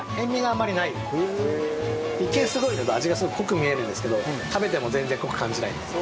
一見味がすごく濃く見えるんですけど食べても全然濃く感じないです。